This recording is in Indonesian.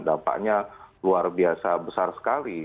dampaknya luar biasa besar sekali